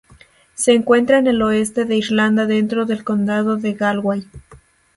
Se encuentra en el oeste de Irlanda dentro del condado de Galway.